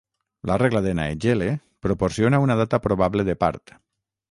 La regla de Naegele proporciona una data probable de part.